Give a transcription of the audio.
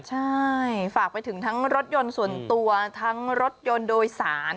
ใช่ฝากไปถึงทั้งรถยนต์ส่วนตัวทั้งรถยนต์โดยสาร